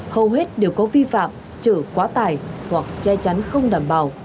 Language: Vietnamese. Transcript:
hầu hết đều có vi phạm chở quá tải hoặc che chắn không đảm bảo